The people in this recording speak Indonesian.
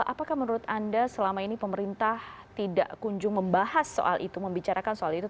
apakah menurut anda selama ini pemerintah tidak kunjung membahas soal itu membicarakan soal itu